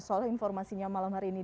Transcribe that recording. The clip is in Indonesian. soal informasinya malam hari ini